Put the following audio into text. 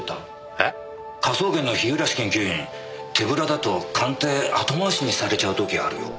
えっ？科捜研の日暮研究員手ぶらだと鑑定後回しにされちゃう時あるよ。